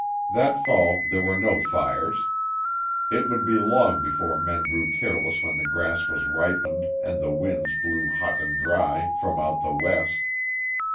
That fall there were no fires. It would be long before men grew careless when the grass was ripened and the winds blew hot and dry from out the west.